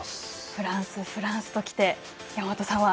フランス、フランスときて山本さんは？